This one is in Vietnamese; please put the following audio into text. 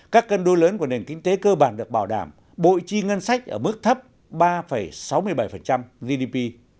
các cân đối lớn của nền kinh tế cơ bản được bảo đảm bội chi ngân sách ở mức thấp ba sáu mươi bảy gdp